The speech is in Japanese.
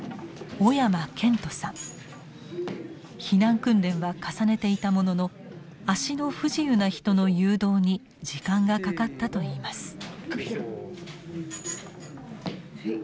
避難訓練は重ねていたものの足の不自由な人の誘導に時間がかかったといいます。